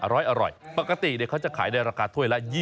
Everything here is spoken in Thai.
อร่อยปกติเขาจะขายในราคาถ้วยละ